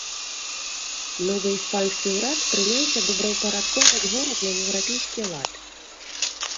Новы іспанскі ўрад прыняўся добраўпарадкоўваць горад на еўрапейскі лад.